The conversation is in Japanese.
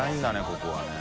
ここはね。